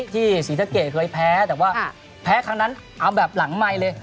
ศรีสะเกดเคยแพ้แต่ว่าแพ้ครั้งนั้นเอาแบบหลังไมค์เลย